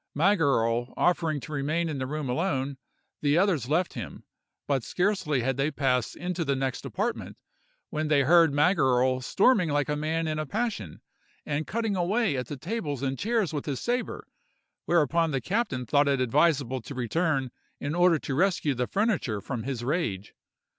Magerle offering to remain in the room alone, the others left him; but scarcely had they passed into the next apartment, when they heard Magerle storming like a man in a passion, and cutting away at the tables and chairs with his sabre, whereupon the captain thought it advisable to return, in order to rescue the furniture from his rage.